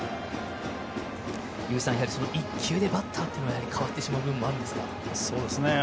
１球でバッターは変わってしまう部分はあるんですか？